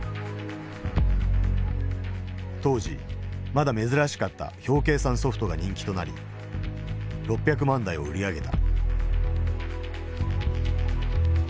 当時まだ珍しかった表計算ソフトが人気となり６００万台を売り上げた。